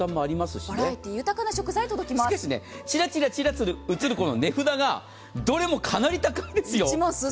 しかし、ちらちら写る値札がどれも高いですよ。